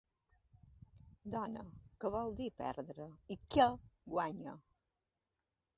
Dona, què vol dir perdre i què guanyar?